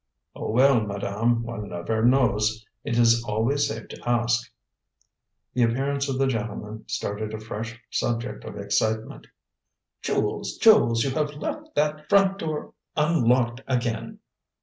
"Oh, well, madame, one never knows; it is always safe to ask." The appearance of the gentleman started a fresh subject of excitement. "Jules! Jules! You have left that front door unlocked again!"